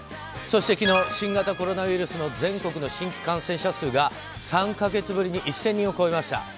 そして昨日新型コロナウイルスの全国の新規感染者数が３か月ぶりに１０００人を超えました。